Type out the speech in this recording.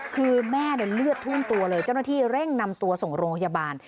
คือแม่เลือดท่วมตัวเลยเจ้าหน้าที่เร่งนำตัวส่งโรงพยาบาล